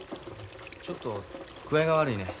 ちょっと具合が悪いねん。